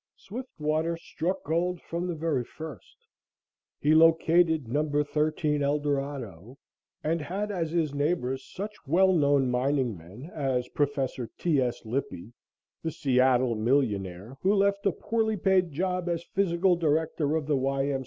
Swiftwater struck gold from the very first. He located No. 13 Eldorado, and had as his neighbors such well known mining men as Prof. T. S. Lippy, the Seattle millionaire, who left a poorly paid job as physical director of the Y. M.